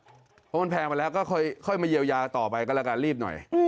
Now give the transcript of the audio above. เพราะมันแพงมาแล้วก็ค่อยมาเยียวยาต่อไปก็แล้วกันรีบหน่อย